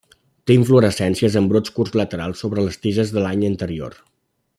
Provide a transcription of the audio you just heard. Té inflorescències en brots curts laterals sobre les tiges de l'any anterior.